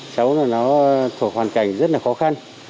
cháu nó thuộc hoàn cảnh rất là khó khăn